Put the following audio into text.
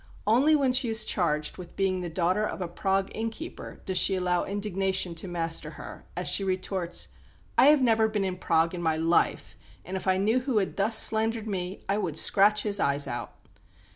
Only when she is charged with being the daughter of a Prague innkeeper does she allow indignation to master her, as she retorts, "I have never been in Prague in my life, and if I knew who had thus slandered me I would scratch his eyes out."